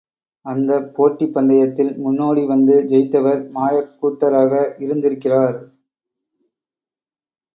அந்தப் போட்டிப் பந்தயத்தில் முன்னோடி வந்து ஜெயித்தவர் மாயக் கூத்தராக இருந்திருக்கிறார்.